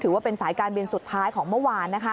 ว่าเป็นสายการบินสุดท้ายของเมื่อวาน